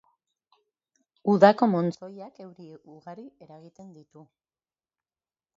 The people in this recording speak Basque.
Udako montzoiak euri ugari eragiten ditu.